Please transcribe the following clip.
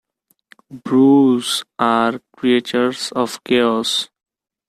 Broos are creatures of chaos.